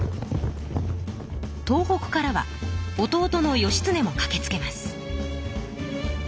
東北からは弟の義経もかけつけます。